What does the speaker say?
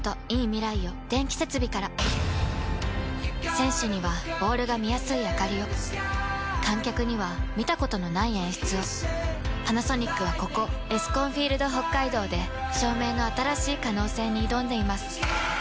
選手にはボールが見やすいあかりを観客には見たことのない演出をパナソニックはここエスコンフィールドＨＯＫＫＡＩＤＯで照明の新しい可能性に挑んでいます